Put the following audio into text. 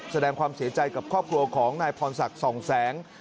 แสดงความเสียใจกับครอบครัวของนายพรศักดิ์ส่องแสง